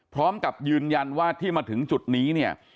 พร้อมกับยืนยันว่าที่มาถึงจุดนี้เนี่ย